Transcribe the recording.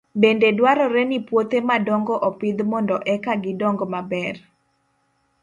Bende dwarore ni puothe madongo opidh mondo eka gidong maber.